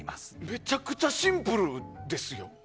むちゃくちゃシンプルですよ。